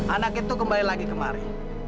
anak itu kembali lagi kemari